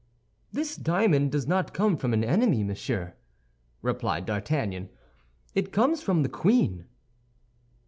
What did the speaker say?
"This diamond does not come from an enemy, monsieur," replied D'Artagnan, "it comes from the queen."